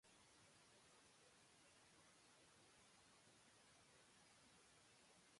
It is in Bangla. তৃতীয়, চতুর্থ ও পঞ্চম সেতুগুলি সংযুক্ত।